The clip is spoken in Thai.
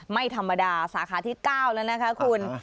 ไม่ธรรมดาสาขาที่๙แล้วนะคะคุณ